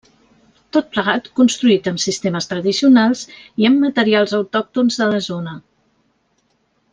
Tot plegat construït amb sistemes tradicionals i amb materials autòctons de la zona.